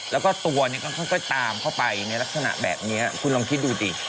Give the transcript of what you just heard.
แล้วก็ตัวเนี่ยก็ค่อยตามเข้าไปในลักษณะแบบนี้คุณลองคิดดูดิ